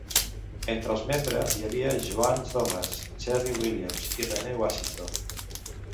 Entre els membres hi havia Joanne Thomas, Cheri Williams i Renee Washington.